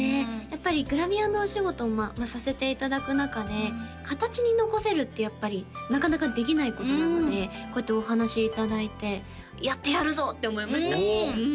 やっぱりグラビアのお仕事をさせていただく中で形に残せるってやっぱりなかなかできないことなのでこうやってお話いただいて「やってやるぞ」って思いましたおっ！